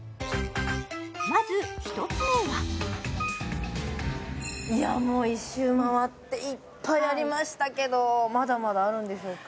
まず１つ目はいやもう１周まわっていっぱいありましたけどまだまだあるんでしょうか？